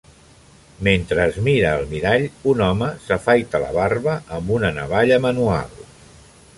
Mentre es mira al mirall, un home s'afaita la barba amb una navalla manual.